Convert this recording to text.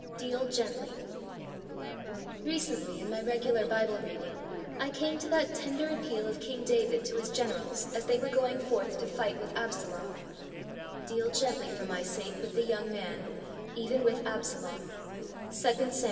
DEAL GENTLY, Recently in my regular Bible reading I came to that tender appeal of King David to his generals as they were going forth to fight with Absalom: "Deal gently for my sake with the young man, even with Ab salom:" (2 Sam.